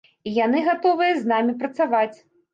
І яны гатовыя з намі працаваць.